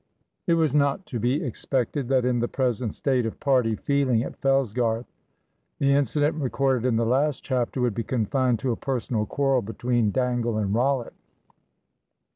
It was not to be expected that in the present state of party feeling at Fellsgarth the incident recorded in the last chapter would be confined to a personal quarrel between Dangle and Rollitt.